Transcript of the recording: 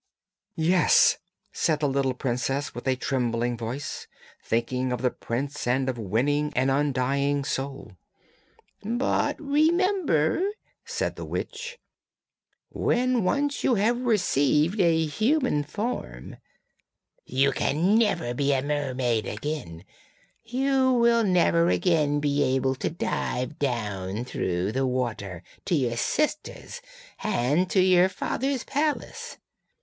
'Yes!' said the little princess with a trembling voice, thinking of the prince and of winning an undying soul. 'But remember,' said the witch, 'when once you have received a human form, you can never be a mermaid again; you will never again be able to dive down through the water to your sisters and to your father's palace.